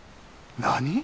何？